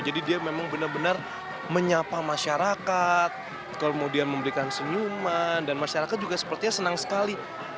jadi dia memang benar benar menyapa masyarakat kemudian memberikan senyuman dan masyarakat juga sepertinya senang sekali